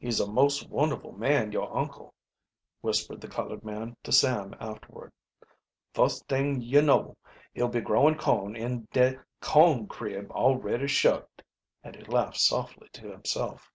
"He's a most wonderful man, yo' uncle!" whispered the colored man to Sam afterward. "Fust t'ing yo' know he'll be growin' corn in de com crib already shucked!" and he laughed softly to himself.